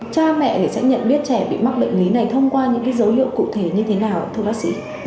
cha mẹ sẽ nhận biết trẻ bị mắc bệnh lý này thông qua những dấu hiệu cụ thể như thế nào thưa bác sĩ